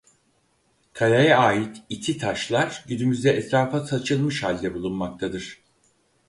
Kaleye ait iti taşlar günümüzde etrafa saçılmış halde bulunmaktadır.